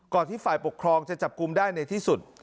ที่ฝ่ายปกครองจะจับกลุ่มได้ในที่สุด